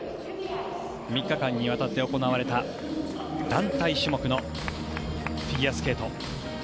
３日間にわたって行われた団体種目のフィギュアスケート。